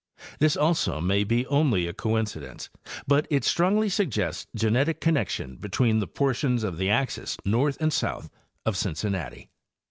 This also may be only a coincidence, but it strongly suggests genetic con nection between the portions of the axis north and south of Cincinnati.